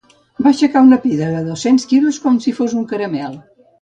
Va aixecar una pedra de dos-cents quilos com si fos un caramel.